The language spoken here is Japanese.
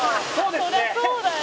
「そりゃそうだよ」